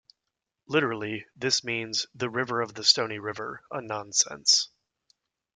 Literally, this means "the river of the stony river", a nonsense.